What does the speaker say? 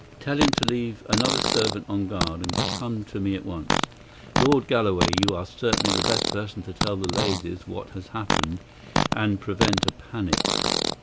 Tell him to leave another servant on guard and come to me at once. Lord Galloway, you are certainly the best person to tell the ladies what has happened, and prevent a panic.